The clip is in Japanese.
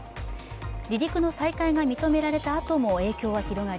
離陸の再開が認められたあとも影響は広がり